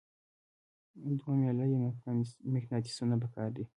دوه میله یي مقناطیسونه پکار دي.